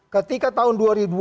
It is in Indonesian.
ketika tahun dua ribu empat belas